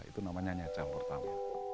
itu namanya nyecel pertama